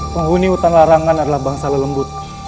penghuni hutan larangan adalah bangsa lelembut